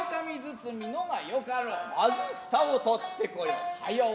先ず蓋を取ってこよう。